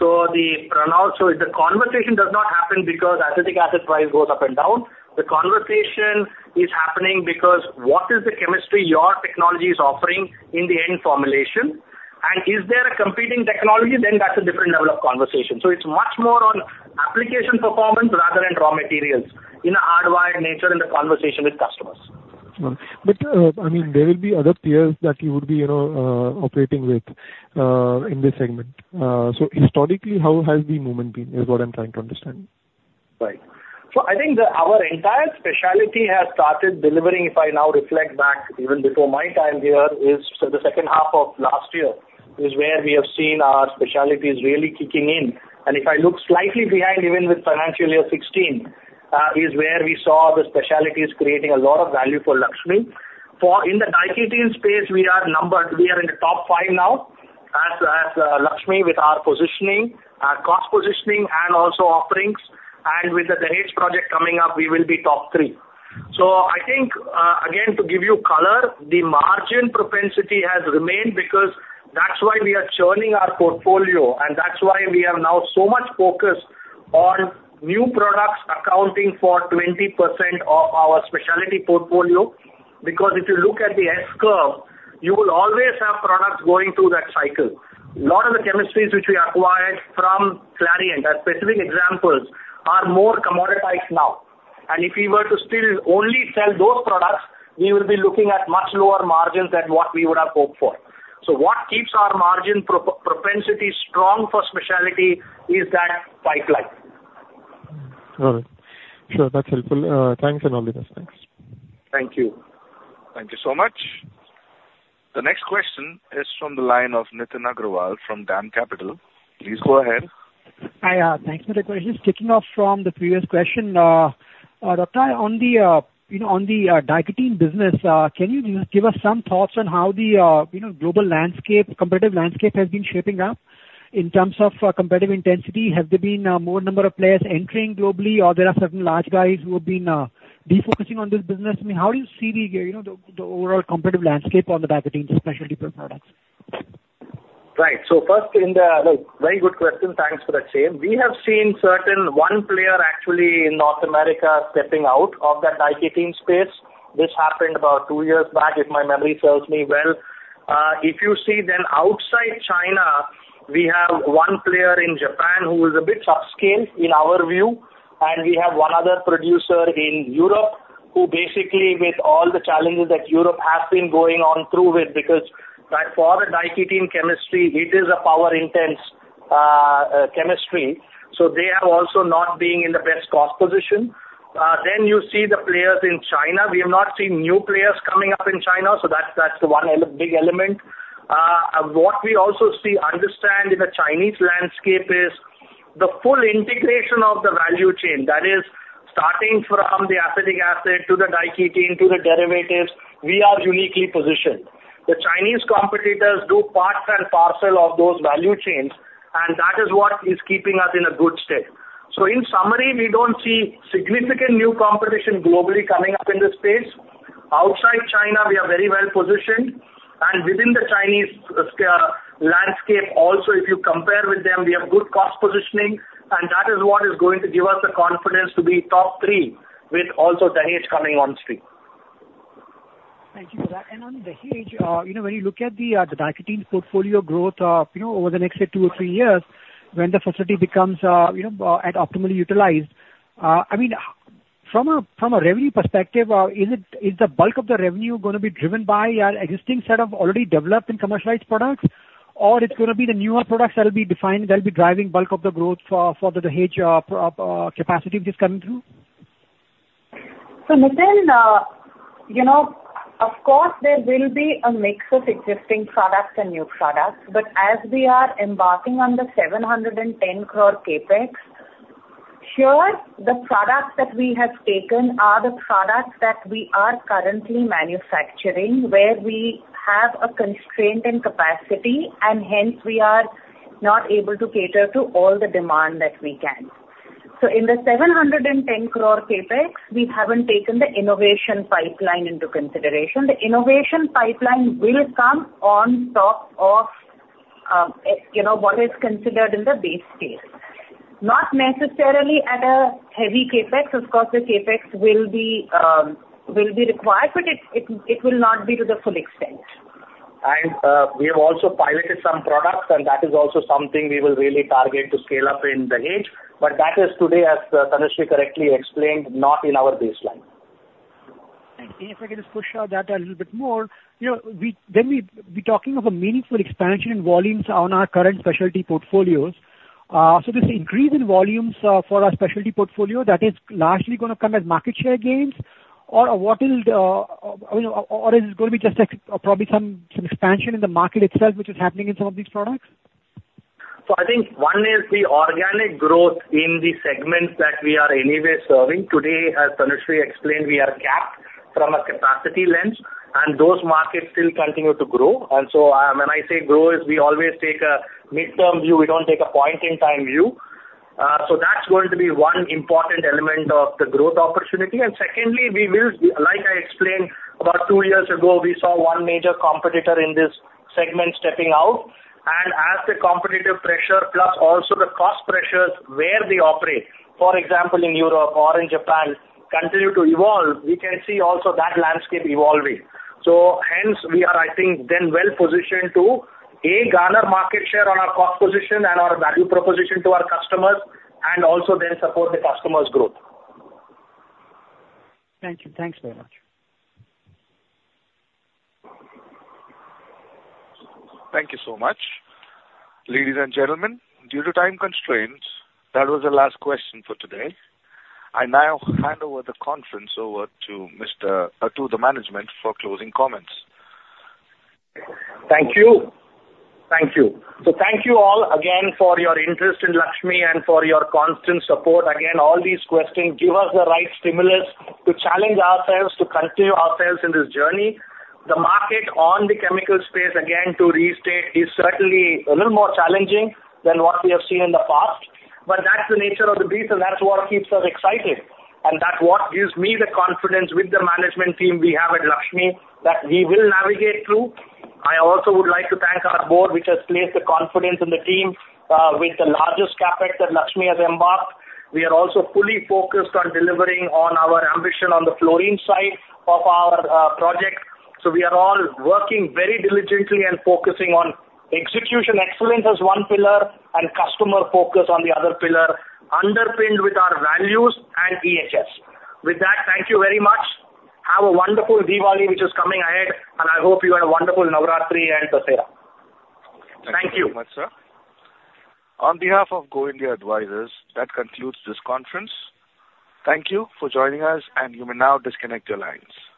Dhruv, the conversation does not happen because acetic acid price goes up and down. The conversation is happening because what is the chemistry your technology is offering in the end formulation, and is there a competing technology? Then that's a different level of conversation. It's much more on application performance rather than raw materials, in a hardwired nature in the conversation with customers. But, I mean, there will be other peers that you would be, you know, operating with, in this segment. So historically, how has the movement been, is what I'm trying to understand. Right. So I think that our entire Specialty has started delivering, if I now reflect back, even before my time here, is the second half of last year, is where we have seen our Specialties really kicking in. And if I look slightly behind, even with financial year 2016, is where we saw the Specialties creating a lot of value for Laxmi. For in the diketene space, we are numbered. We are in the top five now, as Laxmi, with our positioning, our cost positioning and also offerings, and with the Dahej project coming up, we will be top three. So I think, again, to give you color, the margin propensity has remained because that's why we are churning our portfolio, and that's why we have now so much focus on new products accounting for 20% of our Specialty portfolio. Because if you look at the S curve, you will always have products going through that cycle. A lot of the chemistries which we acquired from Clariant, as specific examples, are more commoditized now. And if we were to still only sell those products, we will be looking at much lower margins than what we would have hoped for. So what keeps our margin propensity strong for Specialty is that pipeline. All right. Sure, that's helpful. Thanks alot. Thanks. Thank you. Thank you so much. The next question is from the line of Nitin Agarwal from DAM Capital. Please go ahead. Hi, thanks for the question. Kicking off from the previous question, Doctor, on the, you know, on the, diketene business, can you give us some thoughts on how the, you know, global landscape, competitive landscape has been shaping up in terms of competitive intensity? Has there been, more number of players entering globally, or there are certain large guys who have been, defocusing on this business? I mean, how do you see the, you know, the, the overall competitive landscape on the diketene Specialty products? Right. So first, Very good question. Thanks for that, Nitin. We have seen certain, one player actually in North America stepping out of that diketene space. This happened about two years back, if my memory serves me well. If you see then outside China, we have one player in Japan who is a bit subscale, in our view, and we have one other producer in Europe, who basically, with all the challenges that Europe has been going on through with, because, like, for the diketene chemistry, it is a power-intense chemistry, so they are also not being in the best cost position. Then you see the players in China. We have not seen new players coming up in China, so that's, that's the one big element. What we also see, understand in the Chinese landscape is the full integration of the value chain. That is, starting from the acetic acid to the diketene to the derivatives, we are uniquely positioned. The Chinese competitors do parts and parcel of those value chains, and that is what is keeping us in a good state. So in summary, we don't see significant new competition globally coming up in this space. Outside China, we are very well positioned, and within the Chinese landscape also, if you compare with them, we have good cost positioning, and that is what is going to give us the confidence to be top three, with also Dahej coming on stream. Thank you for that. On Dahej, you know, when you look at the diketene portfolio growth, you know, over the next two or three years, when the facility becomes you know and optimally utilized, I mean, from a revenue perspective, is it, is the bulk of the revenue going to be driven by our existing set of already developed and commercialized products, or it's going to be the newer products that'll be defined, that'll be driving bulk of the growth for the Dahej capacity which is coming through? So Nitin, you know, of course, there will be a mix of existing products and new products, but as we are embarking on the 710 crore CapEx, sure, the products that we have taken are the products that we are currently manufacturing, where we have a constraint in capacity, and hence we are not able to cater to all the demand that we can. So in the 710 crore CapEx, we haven't taken the innovation pipeline into consideration. The innovation pipeline will come on top of, you know, what is considered in the base case. Not necessarily at a heavy CapEx, of course, the CapEx will be, will be required, but it, it, it will not be to the full extent. We have also piloted some products, and that is also something we will really target to scale up in Dahej, but that is today, as Tanushree correctly explained, not in our baseline. And if I can just push out that a little bit more, you know, we're talking of a meaningful expansion in volumes on our current Specialty portfolios. So this increase in volumes for our Specialty portfolio, that is largely gonna come as market share gains? Or what will the Or is it gonna be just like, probably some expansion in the market itself, which is happening in some of these products? So I think one is the organic growth in the segments that we are anyway serving. Today, as Tanushree explained, we are capped from a capacity lens, and those markets still continue to grow. And so, when I say grow, is we always take a midterm view, we don't take a point-in-time view. So that's going to be one important element of the growth opportunity. And secondly, we will, like I explained, about two years ago, we saw one major competitor in this segment stepping out. And as the competitive pressure, plus also the cost pressures where we operate, for example, in Europe or in Japan, continue to evolve, we can see also that landscape evolving. So hence, we are, I think, then well-positioned to, A, garner market share on our cost position and our value proposition to our customers, and also then support the customers' growth. Thank you. Thanks very much. Thank you so much. Ladies and gentlemen, due to time constraints, that was the last question for today. I now hand over the conference to the management for closing comments. Thank you. Thank you. So thank you all again for your interest in Laxmi and for your constant support. Again, all these questions give us the right stimulus to challenge ourselves, to continue ourselves in this journey. The market on the chemical space, again, to restate, is certainly a little more challenging than what we have seen in the past, but that's the nature of the beast, and that's what keeps us excited. And that's what gives me the confidence with the management team we have at Laxmi, that we will navigate through. I also would like to thank our board, which has placed the confidence in the team with the largest CapEx that Laxmi has embarked. We are also fully focused on delivering on our ambition on the fluorine side of our project. We are all working very diligently and focusing on execution excellence as one pillar and customer focus on the other pillar, underpinned with our values and EHS. With that, thank you very much. Have a wonderful Diwali, which is coming ahead, and I hope you had a wonderful Navratri and Dussehra. Thank you. Thank you very much, sir. On behalf of Go India Advisors, that concludes this conference. Thank you for joining us, and you may now disconnect your lines.